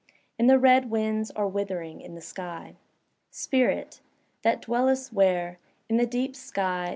And the red winds are withering in the sky. Spirit! that dwellest where* In the deep sky.